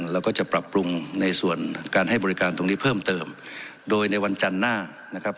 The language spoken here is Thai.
แล้วก็จะปรับปรุงในส่วนการให้บริการตรงนี้เพิ่มเติมโดยในวันจันทร์หน้านะครับ